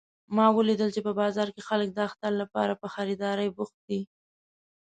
ما ولیدل چې په بازار کې خلک د اختر لپاره په خریدارۍ بوخت دي